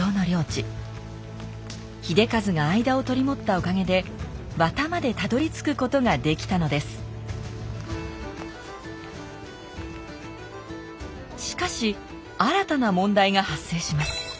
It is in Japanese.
秀一が間を取り持ったおかげで和田までたどりつくことができたのですしかし新たな問題が発生します。